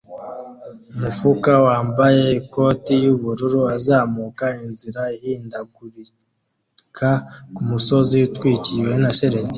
Umufuka wambaye ikoti yubururu azamuka inzira ihindagurika kumusozi utwikiriwe na shelegi